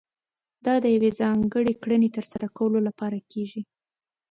دا د يوې ځانګړې کړنې ترسره کولو لپاره کېږي.